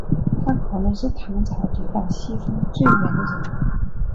他可能是唐朝抵达西方最远的人。